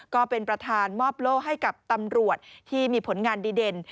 ก็เป็นประธานมอบโล่ให้กับตำรวจที่มีผลงานดีเด่น